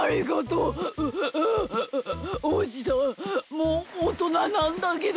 もうおとななんだけどね。